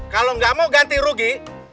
kalau nggak mau ganti rugi